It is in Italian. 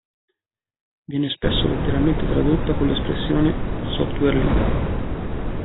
Viene spesso letteralmente tradotta con l'espressione "Software Libero".